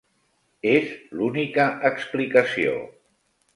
És l'única explicació.